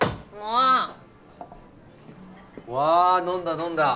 うわぁ飲んだ飲んだ。